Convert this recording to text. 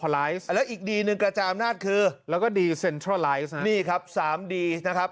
แล้วอีกดีหนึ่งกระจามนาฏคือแล้วก็นี่ครับสามดีนะครับ